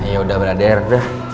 ya udah brader udah